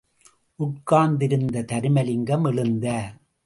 உட்கார்ந்திருந்த தருமலிங்கம் எழுந்தார்!